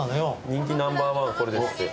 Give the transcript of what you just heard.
人気ナンバーワンこれですって。